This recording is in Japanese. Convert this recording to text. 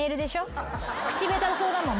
口下手そうだもん。